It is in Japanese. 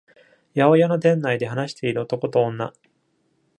八百屋の店内で話している男と女。